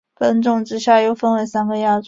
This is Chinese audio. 本种之下又可分为三个亚种。